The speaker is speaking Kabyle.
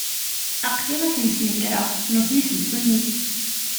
Aql-i ad ten-snegreɣ, s nutni, s ddunit.